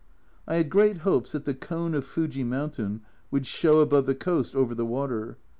I had great hopes that the cone of Fuji mountain would show above the coast over the water.